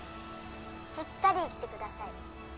しっかり生きてください。